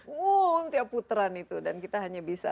wow tiap puteran itu dan kita hanya bisa